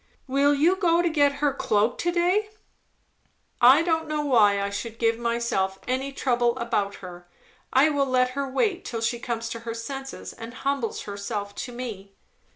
"Will you go to get her cloak to day?" "I don't know why I should give myself any trouble about her. I will let her wait till she comes to her senses and humbles herself to me."